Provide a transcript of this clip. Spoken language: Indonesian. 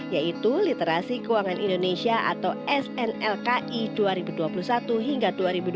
yaitu literasi keuangan indonesia atau snlki dua ribu dua puluh satu hingga dua ribu dua puluh